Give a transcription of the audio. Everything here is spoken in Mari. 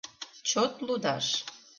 Чот лудаш